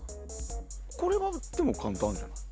これはでも簡単じゃない？